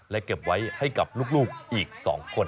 และเก็บไว้ให้กับลูกอีก๒คน